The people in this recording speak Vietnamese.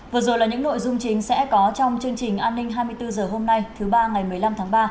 vừa rồi là những nội dung chính sẽ có trong chương trình an ninh hai mươi bốn h hôm nay thứ ba ngày một mươi năm tháng ba